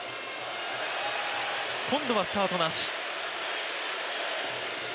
今度はスタートなし。